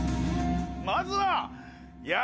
まずは。